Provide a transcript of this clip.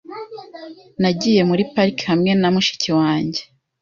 Nagiye muri pariki hamwe na mushiki wanjye.